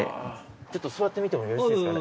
ちょっと座ってみてもよろしいですかね？